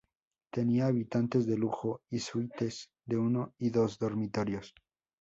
Tenía habitaciones de lujo y suites de uno y dos dormitorios.